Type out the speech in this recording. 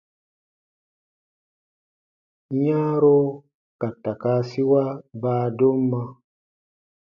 Yãaro ka takaasiwa baadomma.